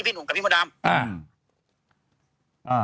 พี่หนุ่มกับพี่มดำ